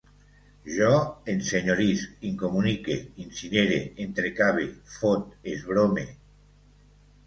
Jo ensenyorisc, incomunique, incinere, entrecave, fot, esbrome